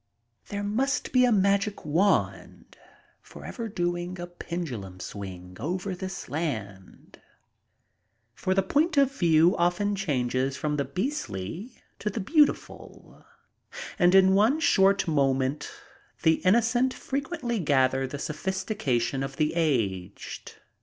There must be a magic wand forever doing a pendulum swing over this land, for the point of view often changes from the beastly to the beautiful, and in one short moment the innocent frequently gather the sophistication of the aged.